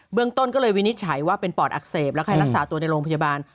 เรื่องต้นก็เลยวินิจฉัยว่าเป็นปอดอักเสบและไข้รักษาตัวในโรงพยาบาล